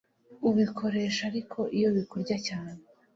ubikoresha Ariko iyo bikurya cyane